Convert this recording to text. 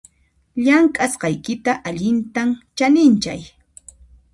Llamk'asqaykita allintam chaninchay